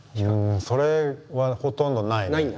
それはほとんどないね。